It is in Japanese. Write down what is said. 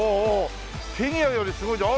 フィギュアよりすごいじゃん。